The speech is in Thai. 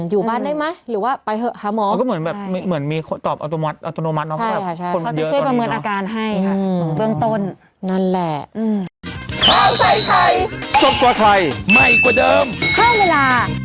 อยู่บ้านได้ไหมหรือว่าไปเหอะหาหมอก็เหมือนแบบมีเหมือนมีคนตอบอัตโนมัติอัตโนมัติใช่ค่ะใช่เขาจะเชื่อประเมินอาการให้เบื้องต้นนั่นแหละ